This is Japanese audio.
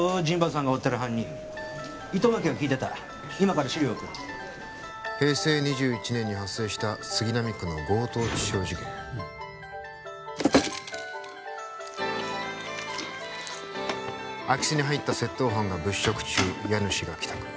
陣馬さんが追ってる犯人糸巻が聞いてた今から資料を送る平成２１年に発生した杉並区の強盗致傷事件空き巣に入った窃盗犯が物色中家主が帰宅